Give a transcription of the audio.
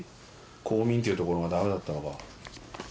公民っていうところがダメだったのか。